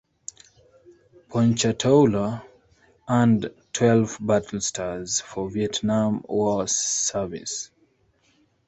"Ponchatoula" earned twelve battle stars for Vietnam War service.